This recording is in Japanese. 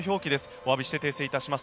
おわびして訂正いたします。